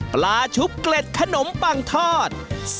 ปลาชุบเกล็ดขนมปังทอด